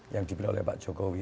yang dipilih oleh pak jokowi